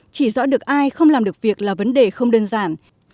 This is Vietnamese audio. chỉ rõ được ai không làm được việc là vấn đề không đơn giản